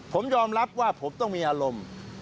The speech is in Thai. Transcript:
ผมยอมรับว่าผมต้องมีอารมณ์